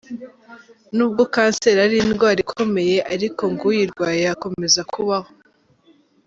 Nubwo Kanseri ari indwara ikomeye ariko ngo uyirwaye yakomeza kubaho.